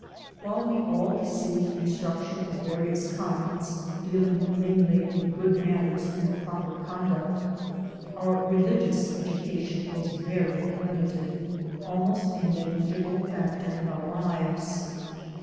While we all received instruction of various kinds, dealing mainly with good manners and proper con duct, our religious education was very limited, almost a negligible factor in our lives.